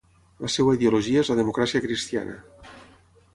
La seva ideologia és la democràcia cristiana.